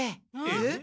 えっ？